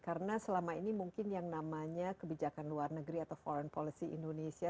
karena selama ini mungkin yang namanya kebijakan luar negeri atau foreign policy indonesia